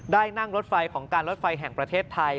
นั่งรถไฟของการรถไฟแห่งประเทศไทย